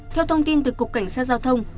theo thông tin từ cục cảnh sát giao thông